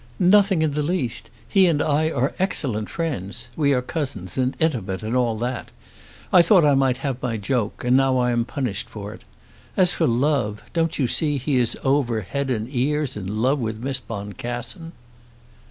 "Nothing in the least. He and I are excellent friends. We are cousins, and intimate, and all that. I thought I might have had my joke, and now I am punished for it. As for love, don't you see he is over head and ears in love with Miss Boncassen?"